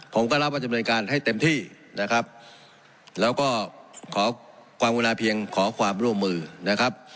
ผมก็รับว่าจำเนินการให้เต็มที่นะครับแล้วก็ขอความกรุณาเพียงขอความร่วมมือนะครับ